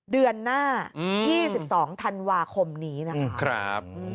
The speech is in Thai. เดือนหน้า๒๒ธันวาคมนี้นะครับ